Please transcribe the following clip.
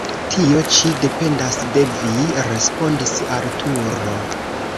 Tio ĉi dependas de vi, respondis Arturo.